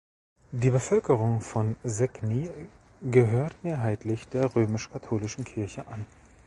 Die Bevölkerung von Segni gehört mehrheitlich der römisch-katholischen Kirche an.